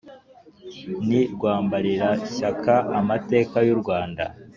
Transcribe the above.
Ni Rwambarirashyaka amateka y’u Rwanda